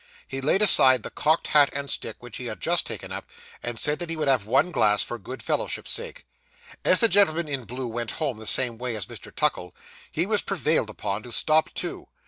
He laid aside the cocked hat and stick which he had just taken up, and said he would have one glass, for good fellowship's sake. As the gentleman in blue went home the same way as Mr. Tuckle, he was prevailed upon to stop too.